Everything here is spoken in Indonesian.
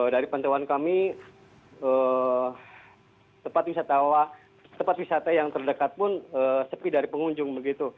dari pantauan kami tempat wisata yang terdekat pun sepi dari pengunjung